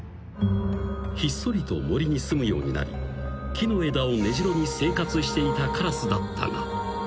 ［ひっそりと森にすむようになり木の枝を根城に生活していたカラスだったが］